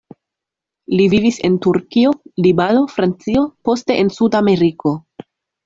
Li vivis en Turkio, Libano, Francio, poste en Sud-Ameriko.